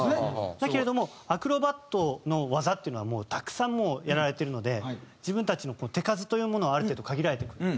だけれどもアクロバットの技というのはたくさんもうやられてるので自分たちの手数というものはある程度限られてくる。